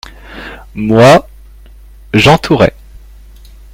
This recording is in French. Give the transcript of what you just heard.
moi, j'entourais.